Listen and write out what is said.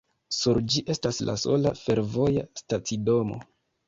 Sur ĝi estas la sola fervoja stacidomo.